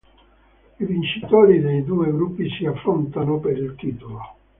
I vincitori dei due gruppi si affrontano per il titolo.